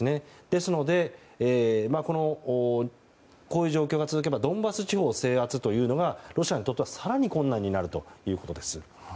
ですのでこういう状況が続けばドンバス地方制圧がロシアにとっては更に困難になるということです。